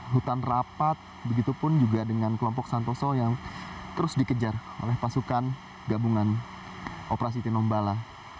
hutan rapat begitu pun juga dengan kelompok santoso yang terus dikejar oleh pasukan gabungan operasi tinombala